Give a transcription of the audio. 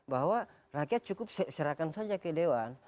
bahwa rakyat cukup serahkan saja ke dewan